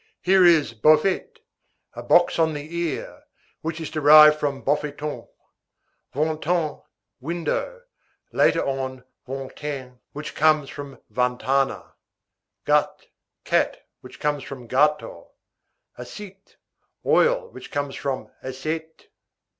Here is boffete, a box on the ear, which is derived from bofeton; vantane, window (later on vanterne), which comes from vantana; gat, cat, which comes from gato; acite, oil, which comes from aceyte.